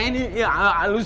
ini jadi baru